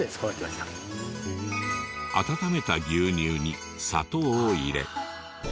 温めた牛乳に砂糖を入れ。